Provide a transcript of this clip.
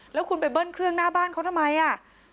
แล้วคุณไปเบิ้ลเครื่องหน้าบ้านเขาทำไมอ่ะ